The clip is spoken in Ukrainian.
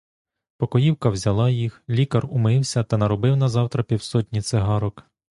Покоївка взяла їх; лікар умився та наробив на завтра півсотні цигарок.